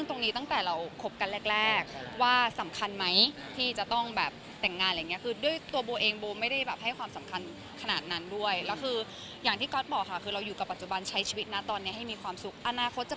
แต่ก็ความรับความเชื่อมันต้องมีความสุขขึ้น